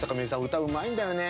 歌うまいんだよね。